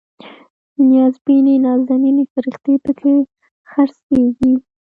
نیازبینې نازنینې فرښتې پکې خرڅیږي